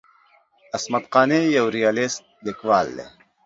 عصمت قانع یو ریالیست لیکوال دی.